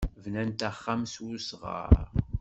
Bnant axxam s wesɣar.